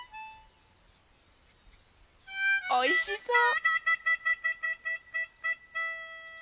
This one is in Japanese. おいしそう！